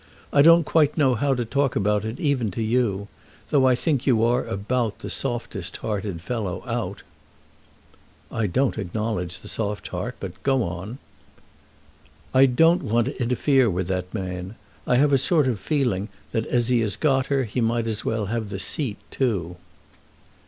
I don't quite know how to talk about it even to you, though I think you are about the softest hearted fellow out." "I don't acknowledge the soft heart; but go on." "I don't want to interfere with that man. I have a sort of feeling that as he has got her he might as well have the seat too."